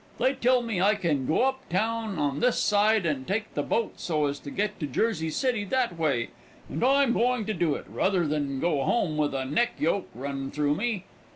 They tell me I can go up town on this side and take the boat so as to get to Jersey City that way, and I'm going to do it ruther than to go home with a neck yoke run through me.